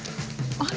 あれ？